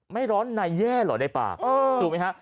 ไม่ร้อนในแย่เหรอในปากถูกไหมฮะ